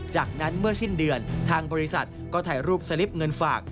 จากนั้นเมื่อสิ้นเดือนทางบริษัทก็ถ่ายรูปสลิปเงินฝาก